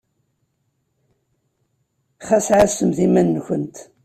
Ɣas ɛassemt iman-nkent.